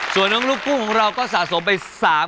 ส่วนน้องลูกกุ้งของเราก็สะสมไป๓๐๐